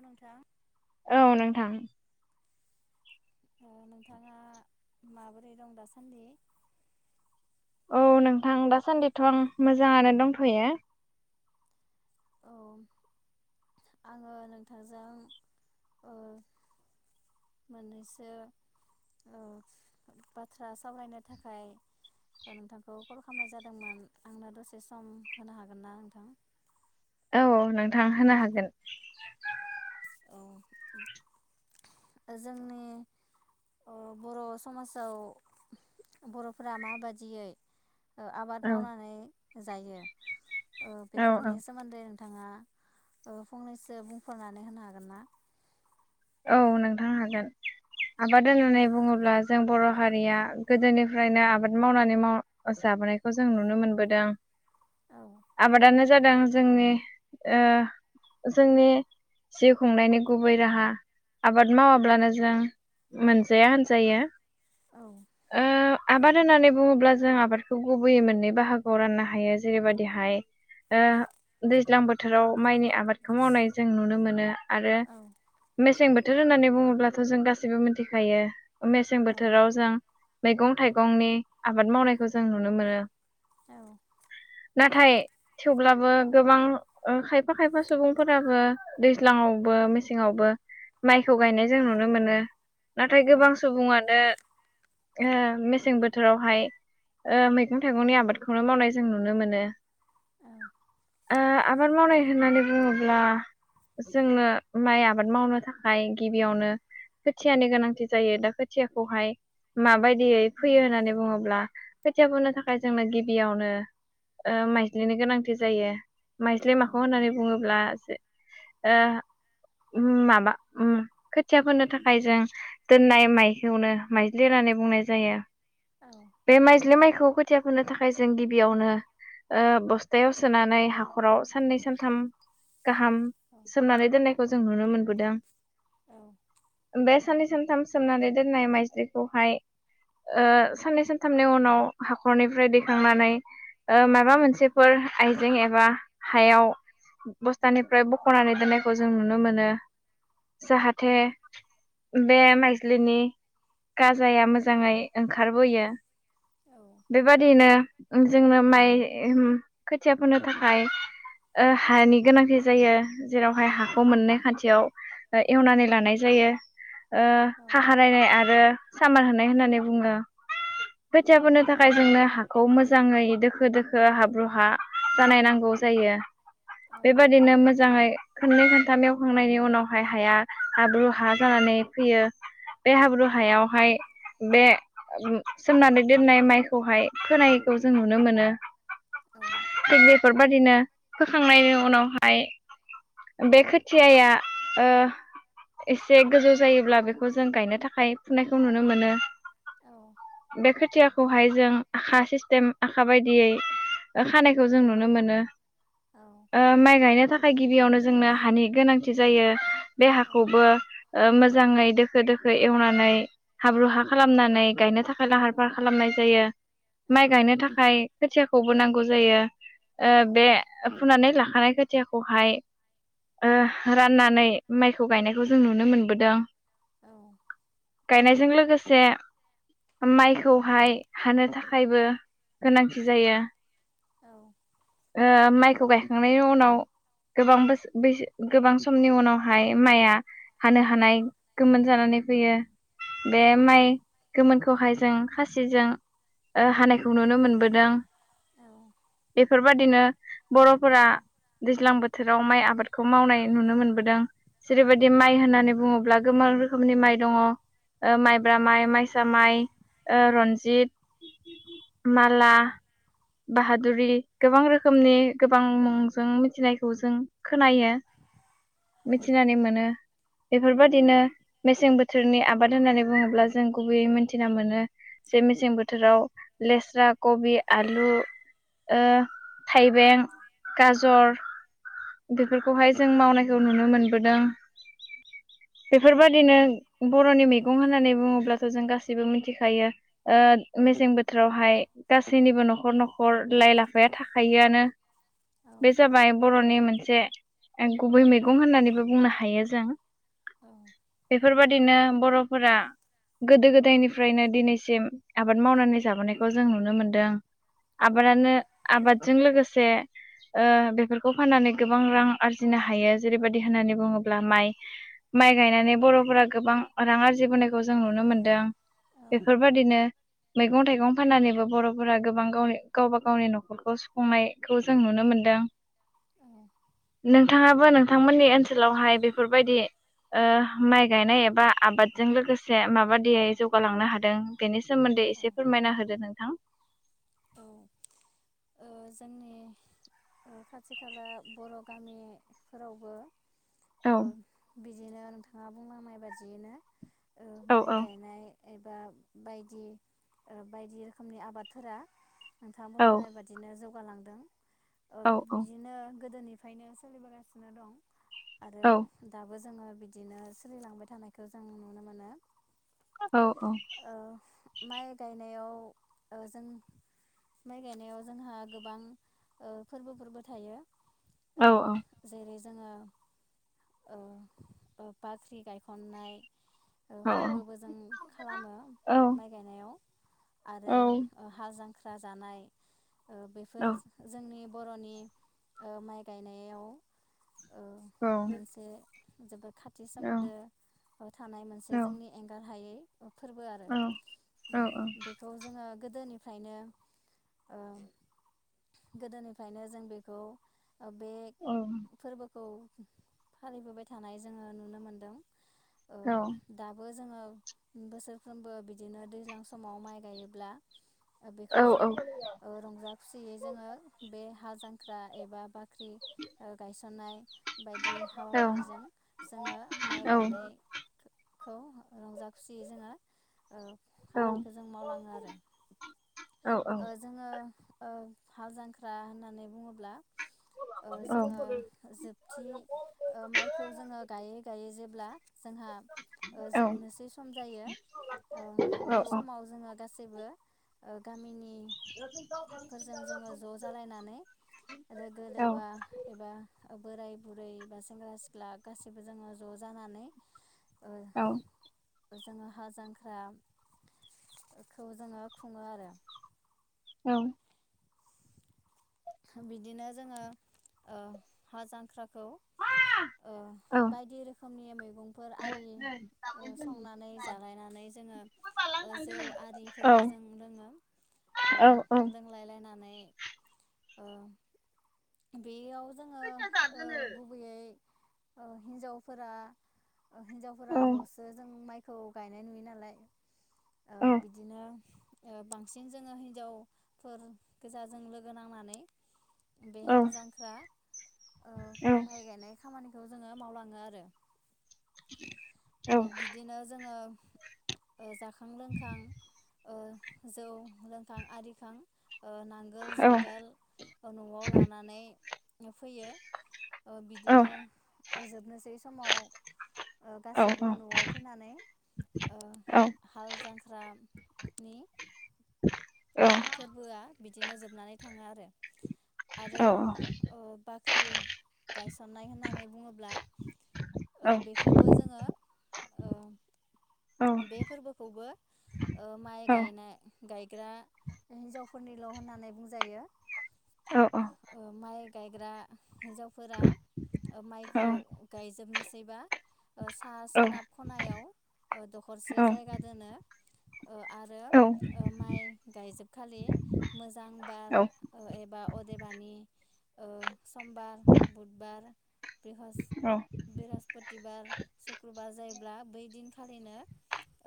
अ नोंथां औ नोंथां नोंथाङा माबोरै दं दासान्दि औ नोंथां दासान्दिथ आं मोजाङानो दंथयो। औ आंङो नोंथांजों मोननैसो बाथ्रा सावरायनो थाखाय नोंथांखौ कल खालामनाय जादोंमोन आंनो दसे सम होनो हागोन ना नोंथां औ नोंथां होनो हागोन जोंनि बर' समाजाव बर'फोरा माबादियै आबाद औ मावनानै जायो औ बेफोरनि औ सोमोन्दै बिथाङा फंनैसो बुंफोरनानै होनो हागोन ना औ नोंथां हागोन आबाद औ होननानै बुङोब्ला जों बर हारिया गोदोनिफ्रायनो आबाद मावनानै जाबोनायखौ जों नुनो मोनबोदों औ आबादानो जादों जोंनि ओ जोंनि जिउ खुंनायनि गुबै राहा आबाद मावाब्लानो जों मोनजाया होनजायो औ ओ आबाद होननानै बुङोब्ला जों आबादखौ गुबैयै मोननै बाहागोआव राननो हायो जेरैबायदिहाय ओ दैज्लां बोथोराव माइनि आबादखौ मावनाय जों नुनो मोनो आरो औ मेसें बोथोर होननानै बुङोब्लाथ जों गाससिबो मिथिखायो मेसें औ बोथोराव जों मैगं थाइगंनि आबाद मावनायखौ जों नुनो मोनो औ नाथाय थेवब्लाबो गोबां ओ खायफा खायफा सुबुंफोराबो दैज्लाङावबो मेसेङावबो माइखौ गायनाय औ जों नुनो मोनो नाथाय गोबां सुबुङानो ओ मेसें बोथोरावहाय ओ मैं थाइगंनि आबादखौनो मावनाय जों नुनो मोनो औ ओ आबाद मावनाय होननानै बुङोब्ला जोंनो माइ आबाद मावनो थाखाय गिबियावनो खोथियानि गोनांथि जायो दा खोथियाखौहाय माबायदि दियै फैयो होननानै बुङोब्ला खोथिया फोनो थाखाय जोंनो गिबियावनो ओ माइज्लिनि गोनांथि जायो। माइज्लि माखौ होननानै बुङोब्ला ओ उम माबा उम खोथिया फोनो थाखाय जों दोननाय माइखौनो माइज्लि होननानै बुंनाय जायो। बे माइज्लि माइखो खौ खोथिया फोनो थाखाय जों गिबियावनो ओ बस्थायाव सोनानै हाखराव साननै सानथाम गाहाम सोमनानै दोननायखौ जो जों नुनो मोनबोदों औ बे साननै सानथाम सोमनानै दोननाय माइज्लिखौहाय ओ साननै सानथामनि उनाव हाखरनिफ्राय दैखांनानै ओ माबा मोनसेफोर आइजें एबा हायाव बस्थानिफ्राय बखनानै दोननायखौ जों नुनो मोनो जाहाथे बे माइ लिनि गाजाया मोजाङै ओंखारबोयो बेबादिनो जोंनो माइ खोथिया फोनो थाखाय ओ हानि गोनांथि जायो जेरावहाय हाखौ मोननै खान्थियाव एवनानै लानाय जायो ओ खाहारायनाय आरो सामार होनाय होननानै बुङो खोथिया फोनो थाखाय जोङो हाखौ मोजां मोजाङै दोखो दोखो हाब्रुहा जानाय नांगौ जायो बेबादिनो मोजाङै खनै खान्था ऐवखांनायनि उनाव हाय हाया हााब्रु हा जानानै फैयो बे हाब्रु हायावहाय बे सोमनानै दोननाय माइखौहाय फोनायखौ जों नुनो मोनो थिग बेफोरबायदिनो होखांनायनि उनावहाय बे खोथियाया ओ एसे गोजौ जायोब्ला बेखौ जों गायनो थाखाय फुनायखौ नुनो मोनो बेखोथियाख खौहाय जों आखा सिस्टेम आखा बायदियै खानायखौ जों नुनो मोनो ओ माइ गायनो थाखाय गिबियावनो जोंनो हानि गोनांथि थि जायो बे हाखौबो ओ मोजाङै दोखो दोखो एवनानै हाब्रु हा खालामनानै गायनो थाखा लाहार फाहार खालामनाय जायो माइ गायनो थाखाय खोथियाख खौबो नांगौ जायो ओ बे फुनानै लाखानाय खोथियाखौहाय ओ राननानै माइखौ गायनायखौ जों नुनो मोनबोदों औ गायनायजों लोगोसे माइखौहाय हानो थाखायबो गोनांथि जायो। औ ओ माइखौ गायखांनायनि उनाव गोबां बोस बैसो गोबां समनि उनावहाय माइया हानो हानाय गोमोन जानानै फैयो बे माइ गोमोन खौहाय जों खासिजों हानायखौ नुनो मोनबोदों बेफ बेफोरबायदिनो बरफोरा दैज्लां बोथोराव माइ आबादखौ मावनाय नुनो मोनबोदों जेरैबायदि माइ होननानै बुङोब्ला गोबां रोखोमनि माइ दङ ओ माइब्रा माइ माइसा माइ ओ रनजित माला बाहादुरि गोबां रोखोमनि गोबां मुंजों मिथिनायखौ जों खोनायो मिथिनानै मोनो बेफोरबायदिनो मेसें बो थोरनि आबाद होननानै बुङोब्ला जों गुबैयै मिथिना मोनो जे मेसें बोथोराव लेस्रा कबि आलु ओ थाइबें गाजर बेफोरखौहाय जों मावनायखौ नुनो मोनबोदों। बेफोरबायदिनो बर'नि मेग गं होननानै बुङोब्लाथ जों गासैबो मिथिखायो। ओ मेसें बोथोरावहाय गासैनिबो नखर नखर लाइ लाफ फाया थाखायोआनो बे जाबाय बर'नि मोन मोनसे गुबै मैगं होननानैबो बुंनो हायो जों बेफोर फोरबायदिनो बर'फोरा गोदो गोदायनिफ्रायनो दिनैसिम आबाद मावनानै जाबोनायखौ जों नुनो मोनदों आबादानो काटजों लोगोसे ओ बेफोरखौ फाननानै गोबां रां आरजिनो हायो जेरैबायदि होननानै बुङोब्ला माइ माइ गायनानै बरफोरा गोबां रां आरजिबोनायखौ जों नुनो मोनदों। बेफोरबायदिनो मैगं थाइगं फाननानैबो बरफोरा गोबां गावनि गावबा गावनि नख खरखौ सुफुंनाय खौ जों नुनो मोन्दों नों थाङाबो नोंथांमोननि ओनसोलावहाय बेफोरबायदि माइ गायनाय एबा आबादजों लोगोसे माबादियै जौगालांनो हादों बेनि सोमोन्दै एसे फोरमायना होदो नोंथां औ जोंनि खाथि खाजा बर' गामिफोरावबो औ बि बिदिनो नोंथाङा बुंलांनाय बादियैनो औ माइ औ गायनाय एबा बायदि बायदि ओ रोखोमनि आबादफोरा नोंथांङा बुंलांनाय बादिनो जौ गालांदों। ओ औ औ बिदिनो गोदोनिफ्रायनो सोलिबोगासिनो दं आरो औ दाबो जोंङो बिदिनो सोलिलांबाय थानायखौ जों नुनो मोनो। औ औ माइ गायनायाव ओ जों माइ गायनायाव जोंहा गोबां ओ फोरबोफोरबो थायो। औ जेरै जोङो ओ बाख्रि गायखन्नाय औ फोरबोबो जों खालामो औ माइ गायनायाव औ आरो हाजां ख्रा जानाय ओ औ बेफोर जोंनि बरनि माइ गायनायाव औ मोनसे जोबोद खाथि सोमोन्दो थानाय औ औ मोनसे औ जोंनि एंगार हायै फोरबो आरो औ बेखौ जोङो गोदोनि फ्रायनो ओ गोदोनिफ्रायनो जों बेखौ बे फोरबोखौ। फालिबोबाय थानाय जोंङो नुनो मोनदों। ओ दाबो जोङो बोसोरफ्रोमबो बिदिनो दैज्लां समाव माइ गायोब्ला खौ जों रंजा खुसियै जोंङो बे हालजांख्रा एबा बा ख्रि गायसननाय बायदि हाबाफारिजों जोङो माइ गायनाय खौ रंजा खुसियै जोङो ओ खामानिखौ जों मावलाङो आरो औ ओ जोङो ओ हाल जांख्रा होननानै बुङोब्ला ओ जोङो जोबथि ओ माइखौ जोङो गायै गायै जेब्ला जोंहा ओ जोबनोसै सम जायो ओ बे समाव जोङो गासैबो गामिनि फोरजों जोङो ज जालायनानै लोगो लेवा एबा बोराय बुरै बा सेंग्रा सिख्ला गासैबो जोङो ज जानानै ओ औ। जोङो हाल जांख्राखौ जोङो खुङो आरो औ। बिदिनो जोङो ओ हाल जांख्रा खौ ओ बायदि रोखोमनि मैगंफोर आरि ओ संनानै जालायनानै जोङो ओ जौ आरिफोरबो जों लोङो ओ लोंलाय लायनानै ओ। बेयाव जोङो ओ गुबैयै ओ हिनजावफोरा हिनजावफोराल' सो जों माइ खौ गायनाय नुयो नालाय ओ औ बिदिनो ओ बांसिन जोङो हिन्जावफोर गोजाजों लोगो नांनानै बे औ हाल जांख्रा ओ माइ गायनाय खामानि खौ जोङो मावलाङो आरो ओ बिदिनो जोङो। ओ जाखां लोंखां ओ जौ लोंखां आरिखां ओ नांगोल जुंगाल न'आव लानानै फैयो ओ बिदिनो जोबनोसै समाव गासैबो नआव फैनानै ओ हाल जांख्रानि फोरबोआ बिदिनो जोबनानै थाङो आरो। आरो ओ बाख्रि गायसननाय होननानै बुङोब्ला ओ बेखौबो जोङो ओ बे फोरबोखौबो ओ माइ गायनाय गायग्रा हिन्जावफोरनिल' होननानै बुंजायो। ओ माइ। गायग्रा हिन्जावफोरा ओ माइखौ गायजोबनोस एबा। ओ सा सोनाब खनायाव दखरसे जायगा दोनो। ओ आरो ओ माइ गायजोबखालि मोजां बार ओ एबा अदेबानि ओ। समबार बुधबार। बृहस बृहस्पतिबार सुक्रबार जाय ब्ला बैदिन। फालिनो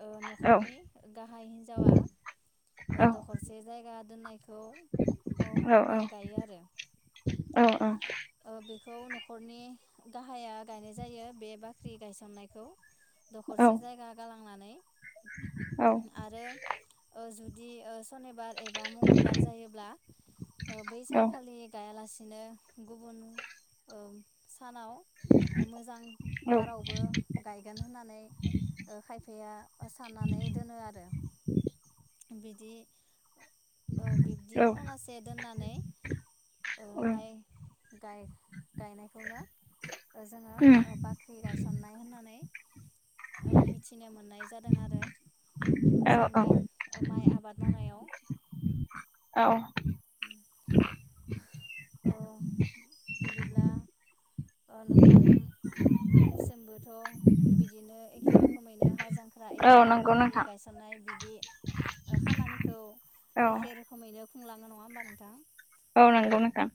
ओ औ न'खरनि गाहाय हिन्जावा ओ औ दखरसे जायगा दोननायखौ ओ औ माइ गाइयो आरो औ खौ नखरनि गाहाया गायनाय जायो बे बाख्रि गायसननायखौ। दरसे जायगा गालांनानै आरो ओ जु जि ओ सनिबार एबा मंगलबार जायोब्ला ओ बै सानखालि गायालास नो गुबुन ओं सानाव मोजां बारावबो गायगोन होननानै खायफाया साननानै दोनो आरो बिदि ओ बिब्दि खनासे दोननानै ओ माइ गाय गायनायखौनो जोङो ओ बाख्रि गायसननाय होननानै। औ मिथिनो मोननाय जाद। दों आरो ओ जोंनि ओ माइ आबाद मावनायाव। औ [unintelligible] औ बिदिब्ला। ओ नोंथां। मोनसोमबोथ बिदिनो एखे रोखोमैनो हा जांख ख्रा एबा नंगौ बाख्रि नोंथां गायसननाय बिदि ओ खामानिखौ औ एखे रोखोमैनो खुंलाङो नङा ओबा नोंथां। औ नंगौ नोंथां।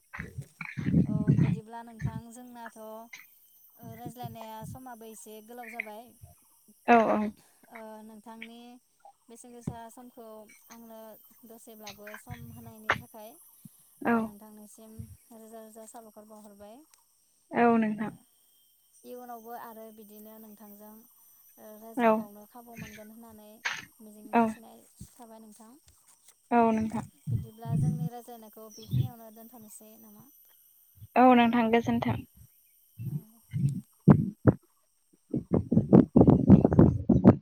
औ बिदिब्ला नोंथा थां जोंनाथ ओ रायज्लायनाया समा बै से गोलाव जाबाय। औ औ। ओ नोंथांनि बेसेन गोसा समखौ आंनो दसेब्लाबो सम होनायनि थाखाय औ ओ नोंथांनिसिम रोजा रोजा साबायखर बावहरबाय। औ ओ नोंथां। इयुनावबो आरो बिदिनो नोंथांजों ओ औ रायज्लायबावनो खाबु मोनगोन होननानै मिजिं औ थिनाय थाबाय नोंथां। औ नोंथां बिदिब्ला जोंनि रायज्लनायखौ बेखिनियावनो दोनथांनोसै। औ नोंथां गोजोनथों। औ।